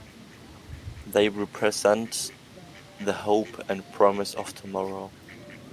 They represent the hope and promise of tomorrow.